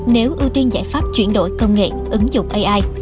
nếu ưu tiên giải pháp chuyển đổi công nghệ ứng dụng ai